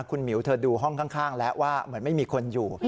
คุณหมิวเธอดูห้องข้างแล้วว่าเหมือนไม่มีคนอยู่